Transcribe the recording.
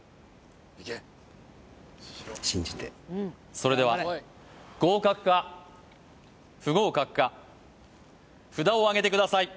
それでは合格か不合格か札をあげてください